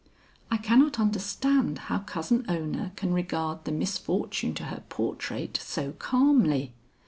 I cannot understand how Cousin Ona can regard the misfortune to her portrait so calmly.